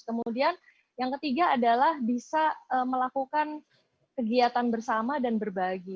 kemudian yang ketiga adalah bisa melakukan kegiatan bersama dan berbagi